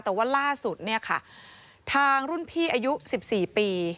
แต่ว่าล่าสุดเนี่ยค่ะทางรุ่นพี่อายุ๑๔ปี